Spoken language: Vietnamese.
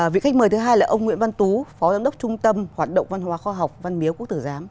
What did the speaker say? vị khách mời thứ hai là ông nguyễn văn tú phó giám đốc trung tâm hoạt động văn hóa khoa học văn miếu quốc tử giám